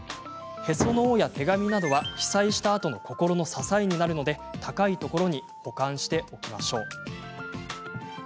へその緒や手紙などは被災したあとの心の支えになるので高いところに保管しておきましょう。